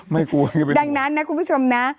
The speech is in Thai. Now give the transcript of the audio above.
ไม่กลัวไม่เป็นหัวดังนั้นนะคุณผู้ชมนะ